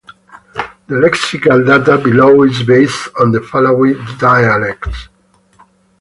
The lexical data below is based on the following dialects.